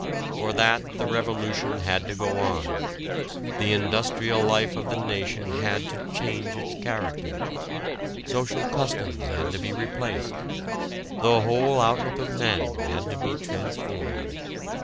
For that the revolution had to go on: the industrial life of the nation had to change its character, social customs had to be replaced, the whole outlook of men had to be transformed.